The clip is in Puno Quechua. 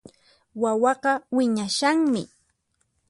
Wawaqa wiñashanmi